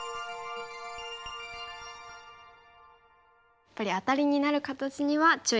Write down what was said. やっぱりアタリになる形には注意が必要ですね。